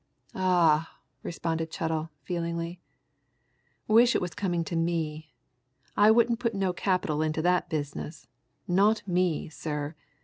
"Ah!" responded Chettle feelingly. "Wish it was coming to me! I wouldn't put no capital into that business not me, sir!